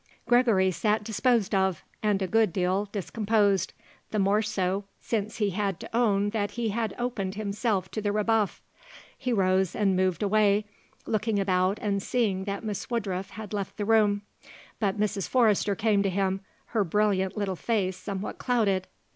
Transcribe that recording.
Gregory sat disposed of and a good deal discomposed, the more so since he had to own that he had opened himself to the rebuff. He rose and moved away, looking about and seeing that Miss Woodruff had left the room; but Mrs. Forrester came to him, her brilliant little face somewhat clouded.